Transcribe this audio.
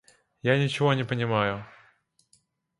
Я ничего не понимаю.